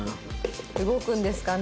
動くんですかね？